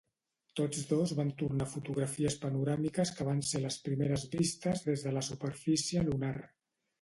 Tots dos van tornar fotografies panoràmiques que van ser les primeres vistes des de la superfície lunar.